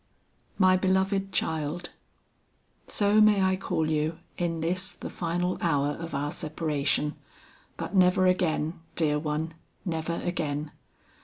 "My Beloved Child: "So may I call you in this the final hour of our separation, but never again, dear one, never again.